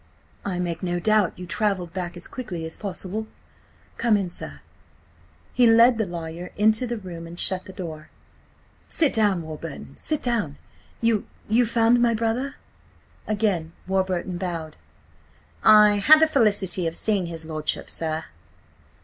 "I make no doubt you travelled back as quickly as possible–come in, sir." He led the lawyer into the room and shut the door. "Sit down, Warburton–sit down. You–you found my brother?" Again Warburton bowed. "I had the felicity of seeing his lordship, sir."